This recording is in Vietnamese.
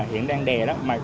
hiện đang đè